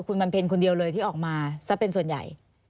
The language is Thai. คุณบำเพ็ญคนเดียวเลยที่ออกมาซะเป็นส่วนใหญ่